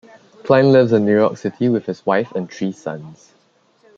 Klein lives in New York City with his wife and three sons.